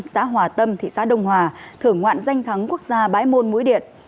xã hòa tâm thị xã đông hòa thưởng ngoạn danh thắng quốc gia bãi môn mũi điện